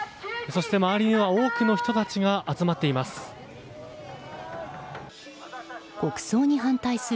そして周りには多くの人たちが集まっています。